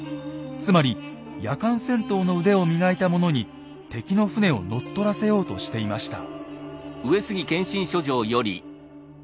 つまり夜間戦闘の腕を磨いた者に敵の船を乗っ取らせようとしていました。